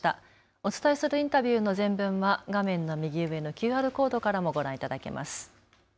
お伝えするインタビューの全文は画面右上のＱＲコードからもご覧いただけます。